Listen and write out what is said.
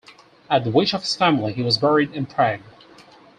At the wish of his family he was buried in Prague.